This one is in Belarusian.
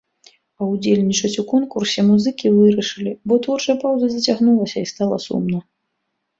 Паўдзельнічаць у конкурсе музыкі вырашылі, бо творчая паўза зацягнулася і стала сумна.